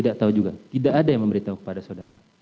saya tidak tahu